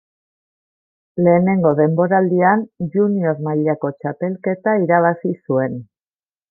Lehenengo denboraldian junior mailako txapelketa irabazi zuen.